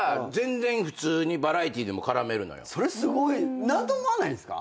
それすごい。何とも思わないんですか？